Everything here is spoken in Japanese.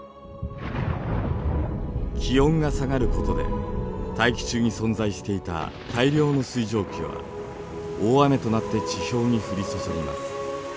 気温が下がることで大気中に存在していた大量の水蒸気は大雨となって地表に降り注ぎます。